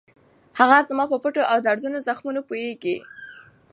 هغه زما په پټو او دردوونکو زخمونو پوهېږي.